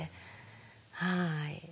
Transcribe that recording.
はい。